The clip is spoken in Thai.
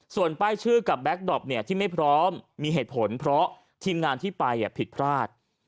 ส่วนป้ายชื่อกับแก๊กดอปที่ไม่พร้อมมีเหตุผลเพราะทีมงานที่ไปผิดพลาด